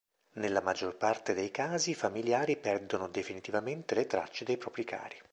Nella maggior parte dei casi i familiari perdono definitivamente le tracce dei propri cari.